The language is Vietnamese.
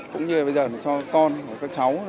cũng như là bây giờ cho con và các cháu